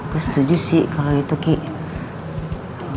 gua setuju sih kalau itu kiki